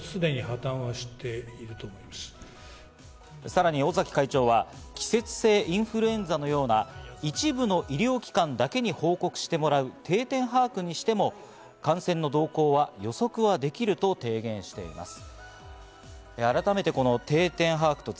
さらに尾崎会長は季節性インフルエンザのような、一部の医療機関だけに報告してもらう定点把握にしても感染の動向は予測はできると提言しています。